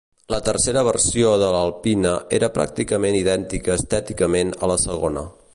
La tercera versió de l'Alpina era pràcticament idèntica estèticament a la segona.